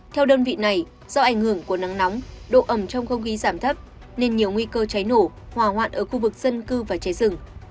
theo đơn vị này do ảnh hưởng của nắng nóng độ ẩm trong không khí giảm thấp nên nhiều nguy cơ cháy nổ hòa hoạn ở khu vực dân cư và cháy rừng